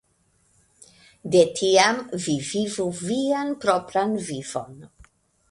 De tiam vi vivu vian propran vivon.